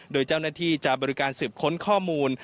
โดยเจ้าหน้าที่จะบริการสืบค้นข้อมูล